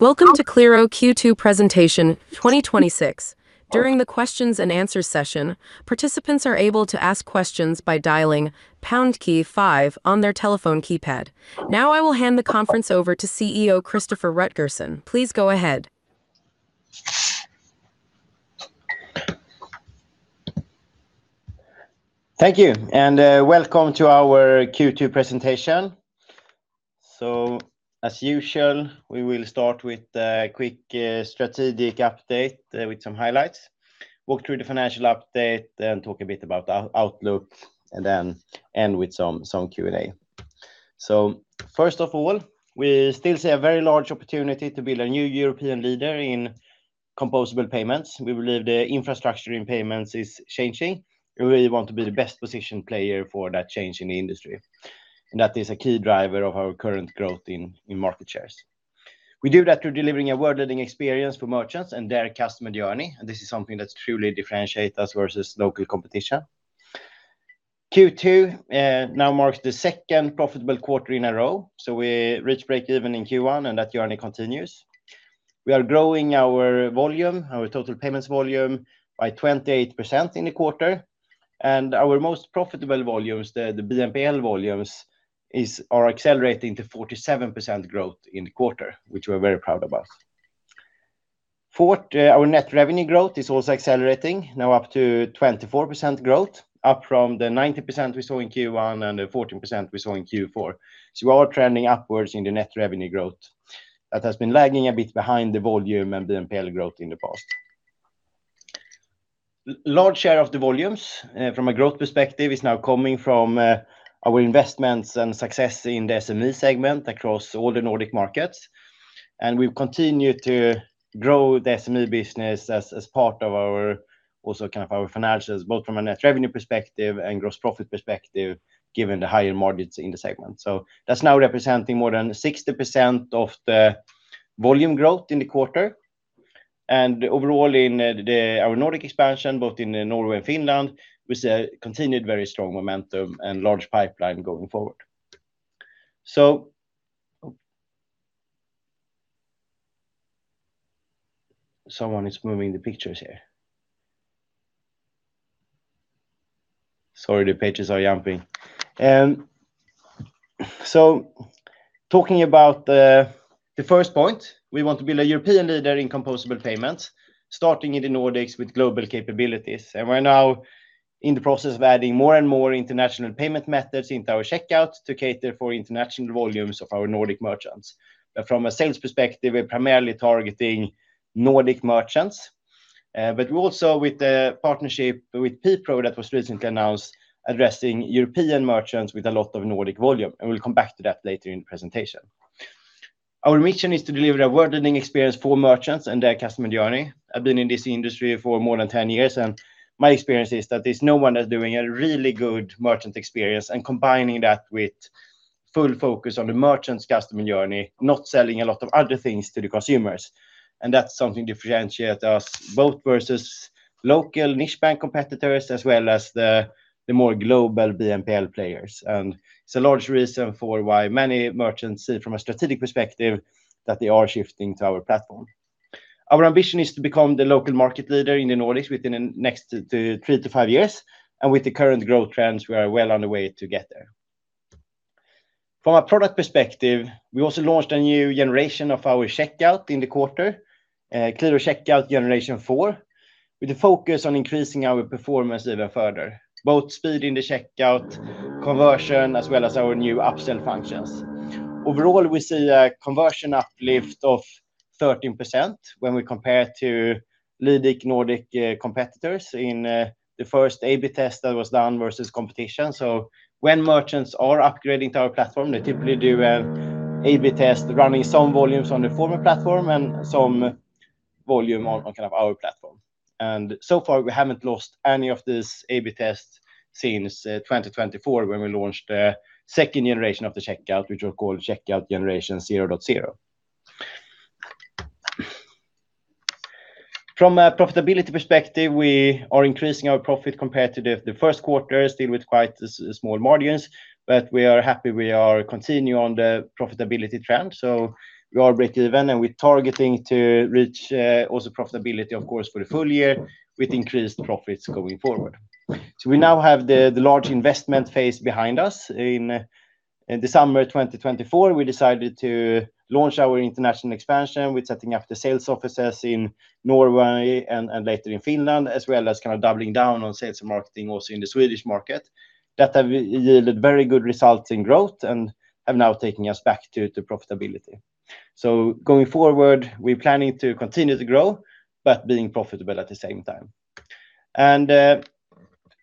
Welcome to Qliro Q2 presentation 2026. During the questions and answers session, participants are able to ask questions by dialing pound key five on their telephone keypad. I will hand the conference over to CEO Christoffer Rutgersson. Please go ahead. Thank you, and welcome to our Q2 presentation. As usual, we will start with a quick strategic update with some highlights, walk through the financial update, then talk a bit about our outlook, and then end with some Q&A. First of all, we still see a very large opportunity to build a new European leader in Composable Payments. We believe the infrastructure in payments is changing, and we want to be the best-positioned player for that change in the industry. That is a key driver of our current growth in market shares. We do that through delivering a world-leading experience for merchants and their customer journey, and this is something that truly differentiates us versus local competition. Q2 now marks the second profitable quarter in a row. We reached breakeven in Q1, and that journey continues. We are growing our volume, our total payments volume, by 28% in the quarter, and our most profitable volumes, the BNPL volumes, are accelerating to 47% growth in the quarter, which we're very proud about. Our net revenue growth is also accelerating, now up to 24% growth, up from the 19% we saw in Q1 and the 14% we saw in Q4. We are trending upwards in the net revenue growth that has been lagging a bit behind the volume and BNPL growth in the past. Large share of the volumes from a growth perspective is now coming from our investments and success in the SME segment across all the Nordic markets. We've continued to grow the SME business as part of our financials, both from a net revenue perspective and gross profit perspective, given the higher margins in the segment. That's now representing more than 60% of the volume growth in the quarter. Overall in our Nordic expansion, both in Norway and Finland, we see a continued very strong momentum and large pipeline going forward. Someone is moving the pictures here. Sorry, the pages are jumping. Talking about the first point, we want to build a European leader in Composable Payments, starting in the Nordics with global capabilities. We're now in the process of adding more and more international payment methods into our checkout to cater for international volumes of our Nordic merchants. From a sales perspective, we're primarily targeting Nordic merchants. Also with the partnership with PPRO that was recently announced, addressing European merchants with a lot of Nordic volume, and we'll come back to that later in the presentation. Our mission is to deliver a world-leading experience for merchants and their customer journey. I've been in this industry for more than 10 years, and my experience is that there's no one that's doing a really good merchant experience and combining that with full focus on the merchant's customer journey, not selling a lot of other things to the consumers. That's something differentiates us both versus local niche bank competitors as well as the more global BNPL players. It's a large reason for why many merchants see from a strategic perspective that they are shifting to our platform. Our ambition is to become the local market leader in the Nordics within the next three to five years. With the current growth trends, we are well on the way to get there. From a product perspective, we also launched a new generation of our checkout in the quarter, Qliro Checkout Generation 4, with the focus on increasing our performance even further, both speeding the checkout conversion as well as our new upsell functions. Overall, we see a conversion uplift of 13% when we compare to leading Nordic competitors in the first A/B test that was done versus competition. When merchants are upgrading to our platform, they typically do have A/B test running some volumes on the former platform and some volume on our platform. So far, we haven't lost any of these A/B tests since 2024 when we launched the second generation of the checkout, which was called Checkout Generation 0.0. From a profitability perspective, we are increasing our profit compared to the first quarter, still with quite small margins, but we are happy we are continuing on the profitability trend. We are breakeven, and we're targeting to reach also profitability, of course, for the full year with increased profits going forward. We now have the large investment phase behind us. In December 2024, we decided to launch our international expansion with setting up the sales offices in Norway and later in Finland, as well as kind of doubling down on sales and marketing also in the Swedish market. That has yielded very good results in growth and have now taken us back to profitability. Going forward, we're planning to continue to grow but being profitable at the same time.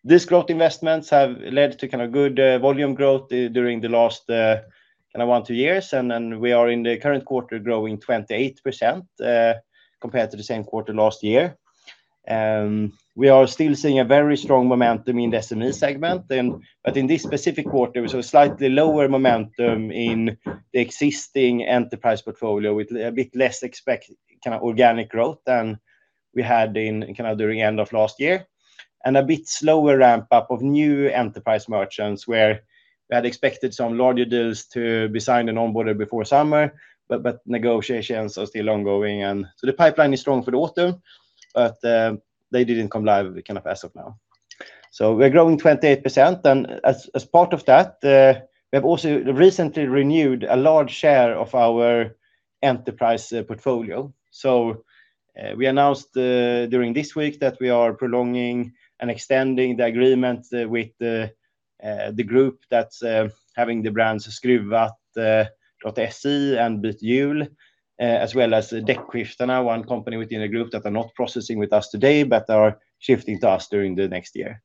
These growth investments have led to good volume growth during the last one, two years. We are in the current quarter growing 28% compared to the same quarter last year. We are still seeing a very strong momentum in the SME segment, in this specific quarter, we saw slightly lower momentum in the existing enterprise portfolio with a bit less expected organic growth than we had during the end of last year, and a bit slower ramp-up of new enterprise merchants where we had expected some larger deals to be signed and onboarded before summer, negotiations are still ongoing. The pipeline is strong for the quarter. They didn't come live as of now. We're growing 28%, and as part of that, we have also recently renewed a large share of our enterprise portfolio. We announced during this week that we are prolonging and extending the agreement with the group that's having the brands Skruvat.se and Bythjul, as well as Däckskiftarna, one company within a group that are not processing with us today but are shifting to us during the next year.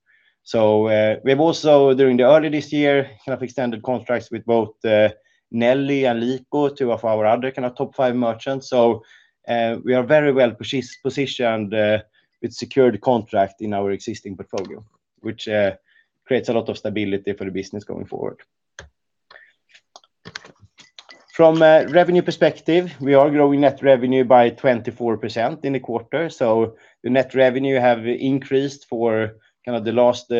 We have also, during the earlier this year, extended contracts with both Nelly and Lekia, two of our other top five merchants. We are very well-positioned with secured contract in our existing portfolio, which creates a lot of stability for the business going forward. From a revenue perspective, we are growing net revenue by 24% in the quarter. The net revenue have increased for the last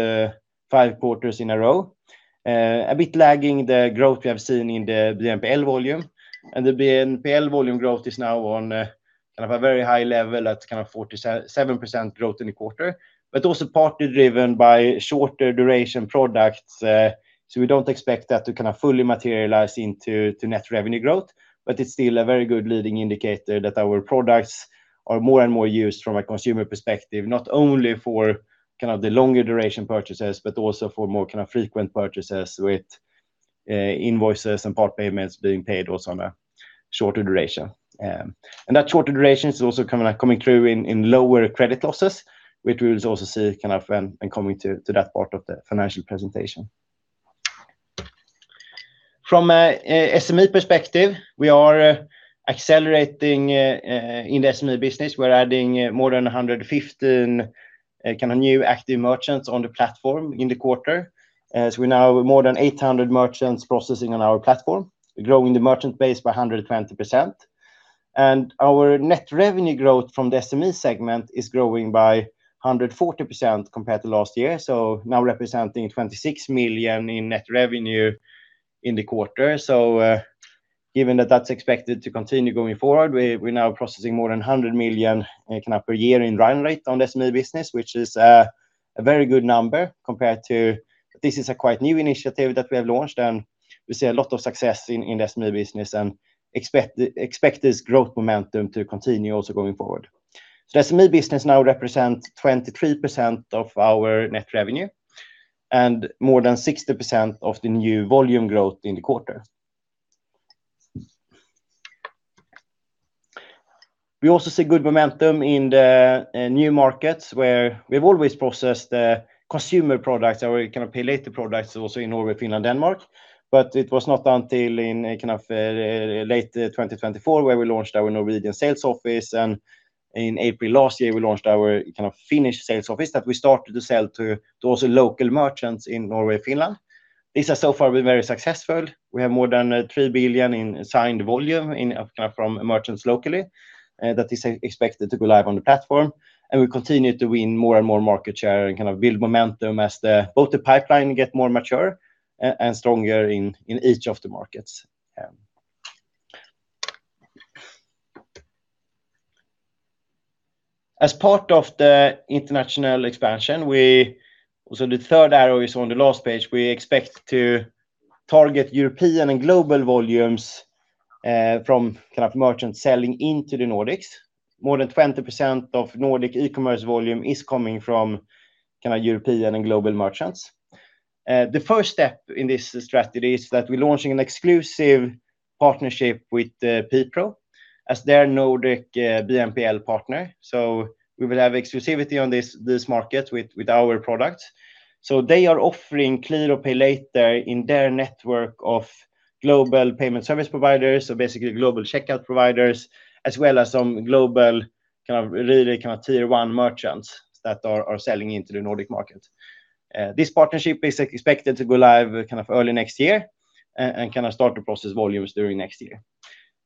five quarters in a row. A bit lagging the growth we have seen in the BNPL volume, and the BNPL volume growth is now on a very high level at 47% growth in the quarter, but also partly driven by shorter duration products. We don't expect that to fully materialize into net revenue growth, but it's still a very good leading indicator that our products are more and more used from a consumer perspective, not only for the longer duration purchases but also for more frequent purchases with invoices and part payments being paid also on a shorter duration. That shorter duration is also coming through in lower credit losses, which we'll also see when coming to that part of the financial presentation. From an SME perspective, we are accelerating in the SME business. We're adding more than 115 new active merchants on the platform in the quarter, as we're now more than 800 merchants processing on our platform. We're growing the merchant base by 120%. Our net revenue growth from the SME segment is growing by 140% compared to last year, so now representing 26 million in net revenue in the quarter. Given that that's expected to continue going forward, we're now processing more than 100 million per year in run rate on the SME business, which is a very good number. This is a quite new initiative that we have launched, and we see a lot of success in the SME business and expect this growth momentum to continue also going forward. The SME business now represents 23% of our net revenue and more than 60% of the new volume growth in the quarter. We also see good momentum in the new markets, where we've always processed consumer products, our Pay Later products also in Norway, Finland, Denmark. It was not until in late 2024, where we launched our Norwegian sales office, and in April last year, we launched our Finnish sales office, that we started to sell to also local merchants in Norway and Finland. These have so far been very successful. We have more than 3 billion in signed volume from merchants locally that is expected to go live on the platform. We continue to win more and more market share and build momentum as both the pipeline get more mature and stronger in each of the markets. As part of the international expansion, also the third arrow is on the last page, we expect to target European and global volumes from merchant selling into the Nordics. More than 20% of Nordic e-commerce volume is coming from European and global merchants. The first step in this strategy is that we are launching an exclusive partnership with PPRO as their Nordic BNPL partner. We will have exclusivity on this market with our product. They are offering Qliro Pay Later in their network of global payment service providers, basically global checkout providers, as well as some global really tier 1 merchants that are selling into the Nordic market. This partnership is expected to go live early next year and start to process volumes during next year.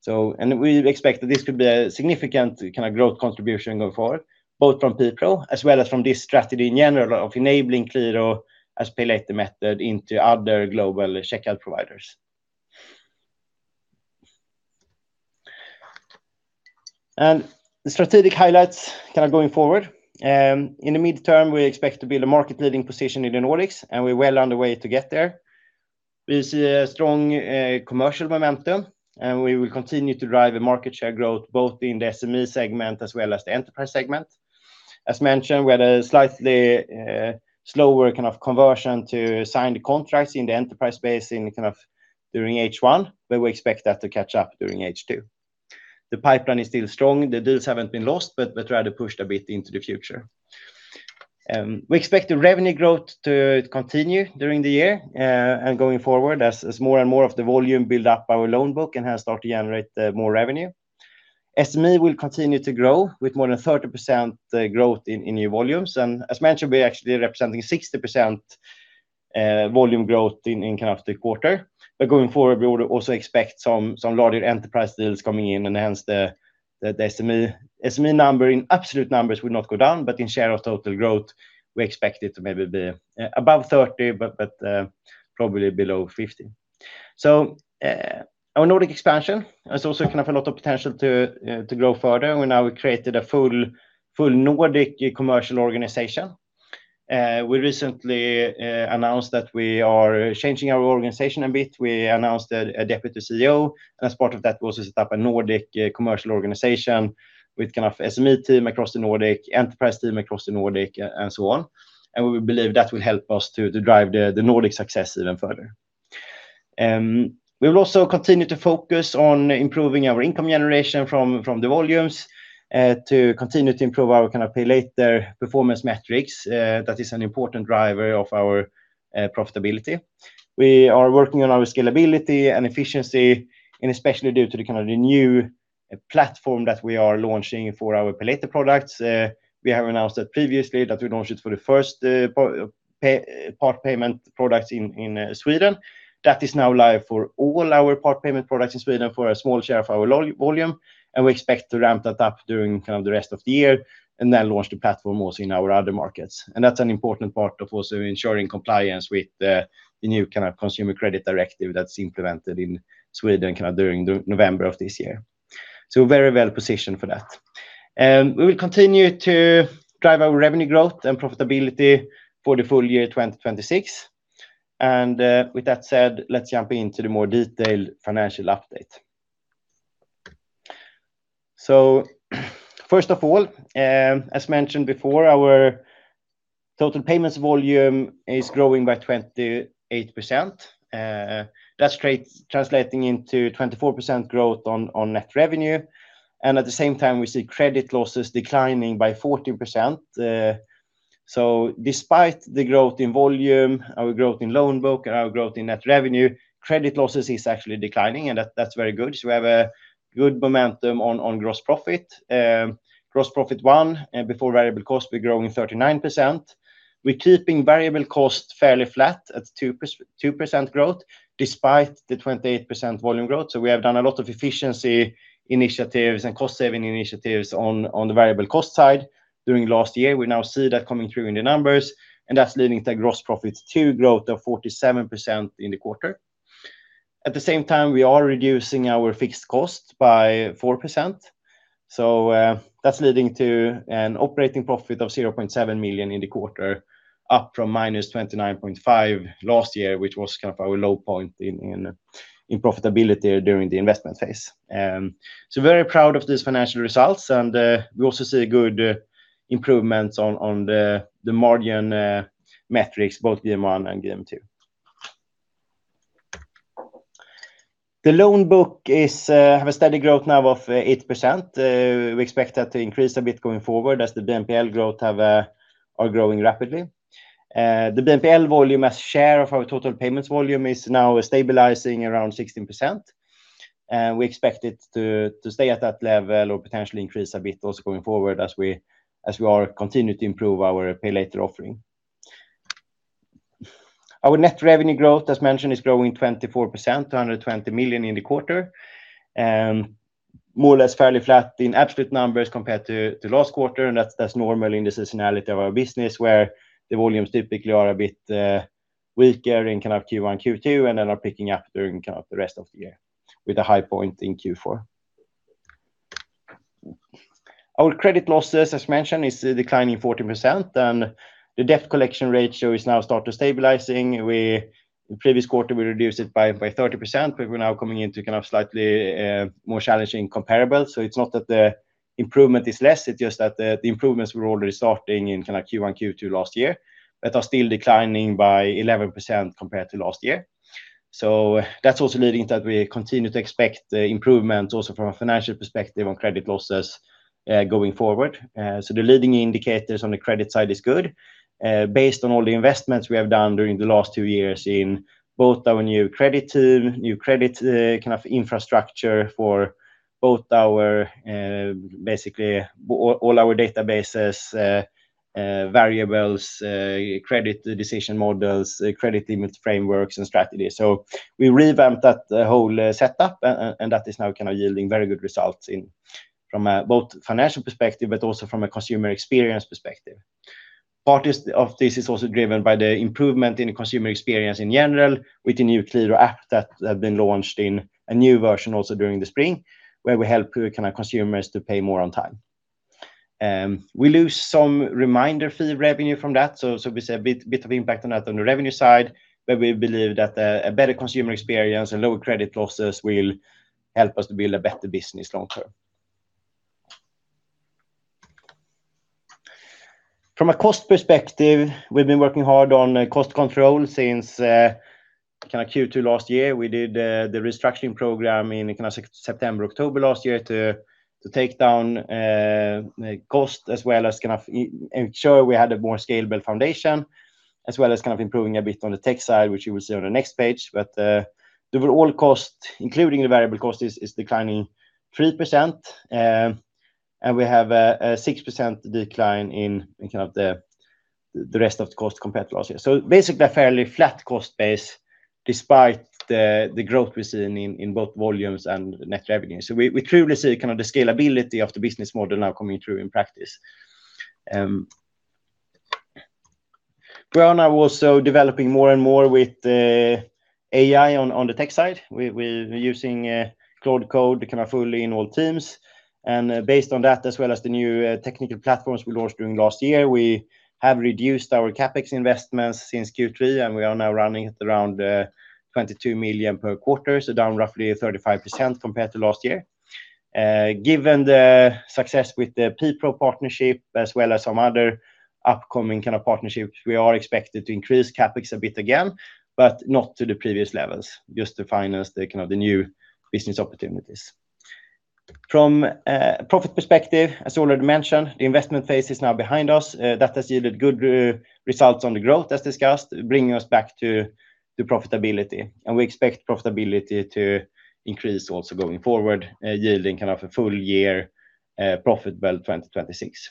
We expect that this could be a significant growth contribution going forward, both from PPRO as well as from this strategy in general of enabling Qliro as pay later method into other global checkout providers. The strategic highlights going forward. In the midterm, we expect to build a market leading position in the Nordics. We are well on the way to get there. We see a strong commercial momentum. We will continue to drive a market share growth both in the SME segment as well as the enterprise segment. As mentioned, we had a slightly slower conversion to sign the contracts in the enterprise space during H1, we expect that to catch up during H2. The pipeline is still strong. The deals haven't been lost, rather pushed a bit into the future. We expect the revenue growth to continue during the year and going forward as more and more of the volume build up our loan book and start to generate more revenue. SME will continue to grow with more than 30% growth in new volumes. As mentioned, we are actually representing 60% volume growth in quarter. Going forward, we would also expect some larger enterprise deals coming in, hence the SME number in absolute numbers will not go down, in share of total growth, we expect it to maybe be above 30%, probably below 50%. Our Nordic expansion has also a lot of potential to grow further. Now we created a full Nordic commercial organization. We recently announced that we are changing our organization a bit. We announced a Deputy CEO, as part of that we also set up a Nordic commercial organization with SME team across the Nordic, enterprise team across the Nordic, and so on. We believe that will help us to drive the Nordic success even further. We will also continue to focus on improving our income generation from the volumes, to continue to improve our Pay Later performance metrics. That is an important driver of our profitability. We are working on our scalability and efficiency, especially due to the new platform that we are launching for our Pay Later products. We have announced that previously that we launched it for the first part payment products in Sweden. That is now live for all our part payment products in Sweden for a small share of our volume. We expect to ramp that up during the rest of the year and then launch the platform also in our other markets. That is an important part of also ensuring compliance with the new Consumer Credit Directive that is implemented in Sweden during November of this year. Very well positioned for that. We will continue to drive our revenue growth and profitability for the full year 2026. With that said, let's jump into the more detailed financial update. First of all, as mentioned before, our total payments volume is growing by 28%. That's translating into 24% growth on net revenue. At the same time, we see credit losses declining by 14%. Despite the growth in volume, our growth in loan book, and our growth in net revenue, credit losses is actually declining, and that's very good. We have a good momentum on gross profit. Gross profit 1, before variable cost, we're growing 39%. We're keeping variable cost fairly flat at 2% growth despite the 28% volume growth. We have done a lot of efficiency initiatives and cost saving initiatives on the variable cost side during last year. We now see that coming through in the numbers, and that's leading to gross profits 2 growth of 47% in the quarter. At the same time, we are reducing our fixed cost by 4%. That's leading to an operating profit of 0.7 million in the quarter, up from -29.5 million last year, which was our low point in profitability during the investment phase. Very proud of these financial results, and we also see good improvements on the margin metrics, both GM1 and GM2. The loan book have a steady growth now of 8%. We expect that to increase a bit going forward as the BNPL growth are growing rapidly. The BNPL volume as share of our total payments volume is now stabilizing around 16%, and we expect it to stay at that level or potentially increase a bit also going forward as we are continuing to improve our Pay Later offering. Our net revenue growth, as mentioned, is growing 24% to 120 million in the quarter. More or less fairly flat in absolute numbers compared to the last quarter, and that's normal in the seasonality of our business where the volumes typically are a bit weaker in Q1 and Q2, and then are picking up during the rest of the year with a high point in Q4. Our credit losses, as mentioned, is declining 14%, and the debt collection ratio is now start to stabilizing. In previous quarter, we reduced it by 30%, but we're now coming into slightly more challenging comparables. It's not that the improvement is less, it's just that the improvements were already starting in Q1, Q2 last year, but are still declining by 11% compared to last year. That's also leading that we continue to expect improvement also from a financial perspective on credit losses, going forward. The leading indicators on the credit side is good. Based on all the investments we have done during the last two years in both our basically all our databases, variables, credit decision models, credit limit frameworks and strategies. We revamped that whole setup, and that is now yielding very good results from a both financial perspective, but also from a consumer experience perspective. Part of this is also driven by the improvement in consumer experience in general with the new Qliro app that have been launched in a new version also during the spring, where we help consumers to pay more on time. We lose some reminder fee revenue from that, so we see a bit of impact on that on the revenue side. We believe that a better consumer experience and lower credit losses will help us to build a better business long term. From a cost perspective, we've been working hard on cost control since Q2 last year. We did the restructuring program in September, October last year to take down cost as well as ensure we had a more scalable foundation. As well as improving a bit on the tech side, which you will see on the next page. The overall cost, including the variable cost, is declining 3%, and we have a 6% decline in the rest of the cost compared to last year. Basically, a fairly flat cost base despite the growth we've seen in both volumes and net revenue. We clearly see the scalability of the business model now coming through in practice. We are now also developing more and more with AI on the tech side. We're using Claude Code fully in all teams, and based on that as well as the new technical platforms we launched during last year, we have reduced our CapEx investments since Q3, and we are now running at around 22 million per quarter. Down roughly 35% compared to last year. Given the success with the PPRO partnership as well as some other upcoming partnerships, we are expected to increase CapEx a bit again, but not to the previous levels, just to finance the new business opportunities. From a profit perspective, as already mentioned, the investment phase is now behind us. That has yielded good results on the growth as discussed, bringing us back to profitability, and we expect profitability to increase also going forward, yielding a full year profitable 2026.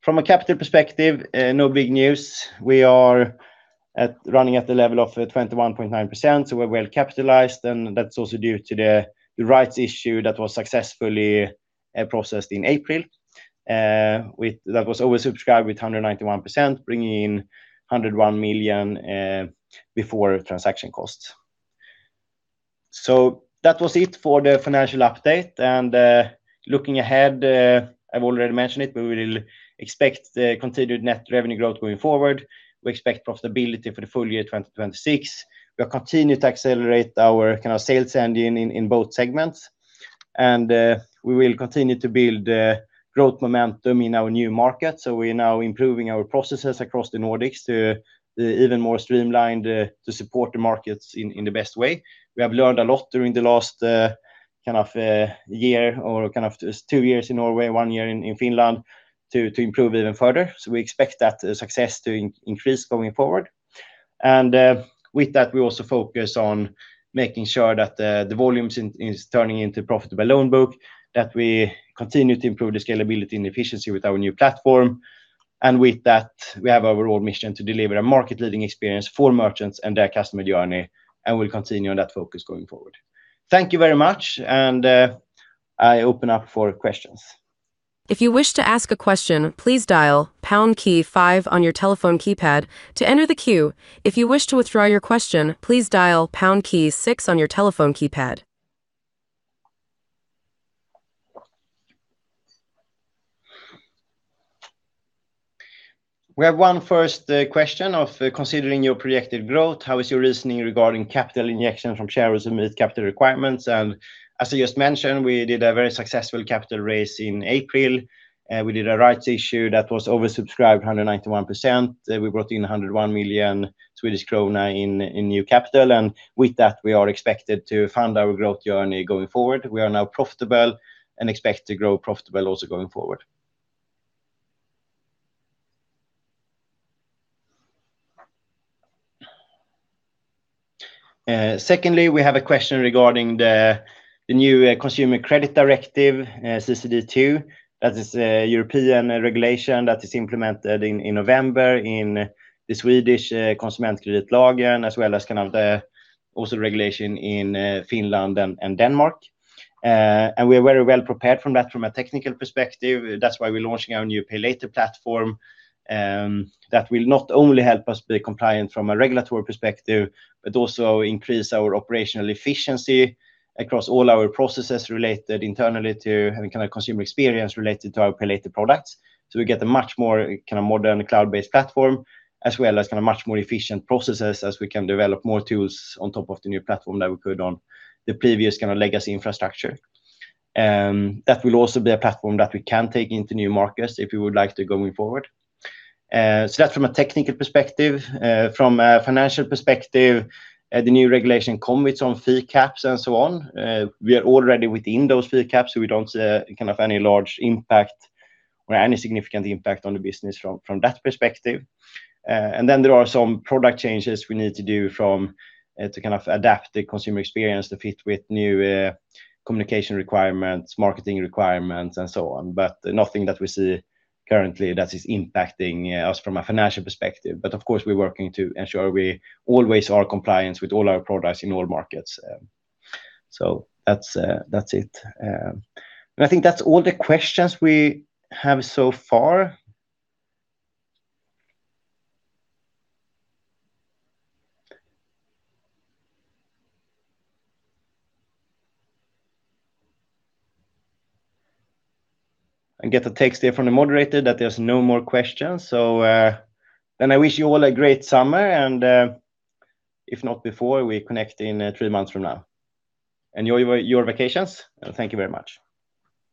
From a capital perspective, no big news. We are running at the level of 21.9%, so we're well capitalized, and that's also due to the rights issue that was successfully processed in April. That was oversubscribed with 191%, bringing in 101 million before transaction costs. That was it for the financial update, and looking ahead, I've already mentioned it, but we will expect continued net revenue growth going forward. We expect profitability for the full year 2026. We are continuing to accelerate our sales engine in both segments, and we will continue to build growth momentum in our new markets. We are now improving our processes across the Nordics to be even more streamlined to support the markets in the best way. We have learned a lot during the last year or two years in Norway, one year in Finland, to improve even further. We expect that success to increase going forward. With that, we also focus on making sure that the volumes is turning into profitable loan book, that we continue to improve the scalability and efficiency with our new platform. With that, we have our overall mission to deliver a market-leading experience for merchants and their customer journey, and we'll continue on that focus going forward. Thank you very much, I open up for questions. If you wish to ask a question, please dial pound key five on your telephone keypad to enter the queue. If you wish to withdraw your question, please dial pound key six on your telephone keypad. We have one first question of, "Considering your projected growth, how is your reasoning regarding capital injection from shareholders to meet capital requirements?" As I just mentioned, we did a very successful capital raise in April. We did a rights issue that was oversubscribed 191%. We brought in 101 million Swedish krona in new capital, and with that, we are expected to fund our growth journey going forward. We are now profitable and expect to grow profitable also going forward. Secondly, we have a question regarding the new Consumer Credit Directive, CCD2. That is a European regulation that is implemented in November in the Swedish Konsumentkreditlagen, as well as also regulation in Finland and Denmark. We are very well prepared for that from a technical perspective. That's why we're launching our new Pay Later platform, that will not only help us be compliant from a regulatory perspective, but also increase our operational efficiency across all our processes related internally to having consumer experience related to our Pay Later products. We get a much more modern cloud-based platform, as well as much more efficient processes as we can develop more tools on top of the new platform that we put on the previous legacy infrastructure. That will also be a platform that we can take into new markets if we would like to going forward. That's from a technical perspective. From a financial perspective, the new regulation come with some fee caps and so on. We are already within those fee caps, so we don't see any large impact or any significant impact on the business from that perspective. There are some product changes we need to do to adapt the consumer experience to fit with new communication requirements, marketing requirements, and so on. Nothing that we see currently that is impacting us from a financial perspective. Of course, we're working to ensure we always are compliant with all our products in all markets. That's it. I think that's all the questions we have so far. I get a text here from the moderator that there's no more questions. I wish you all a great summer, and if not before, we connect in three months from now. Enjoy your vacations. Thank you very much.